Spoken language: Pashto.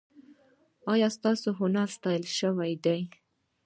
ایا ستاسو هنر ستایل شوی دی؟